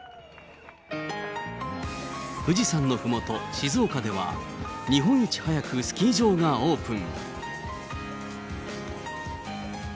富士山のふもと、静岡では、日本一早くスキー場がオープン。